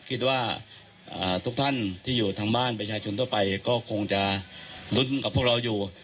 คิดว่าทุกท่านที่อยู่ทางบ้านประชาชนทั่วไปก็คงจะลุ้นกับพวกเราอยู่